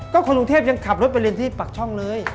ก็คนกรุงเทพยังขับรถไปเรียนที่ปักช่องเลย